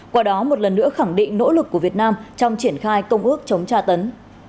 qua đó một lần nữa khẳng định nỗ lực của việt nam trong triển khai công ước chống tra tấn